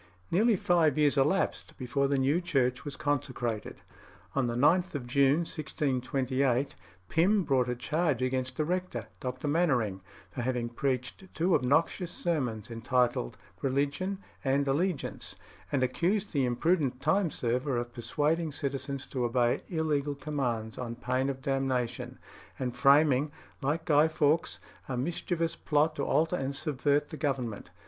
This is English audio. Nearly five years elapsed before the new church was consecrated. On the 9th of June 1628 Pym brought a charge against the rector, Dr. Mainwaring, for having preached two obnoxious sermons, entitled "Religion" and "Allegiance," and accused the imprudent time server of persuading citizens to obey illegal commands on pain of damnation, and framing, like Guy Faux, a mischievous plot to alter and subvert the Government.